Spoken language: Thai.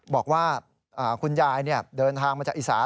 บอกว่าคุณยายเดินทางมาจากอีสาน